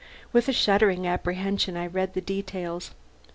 With a shuddering apprehension I read the details.